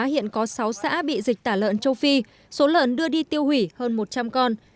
hiện có sáu xã bị dịch tả lợn châu phi số lợn đưa đi tiêu hủy hơn một trăm linh con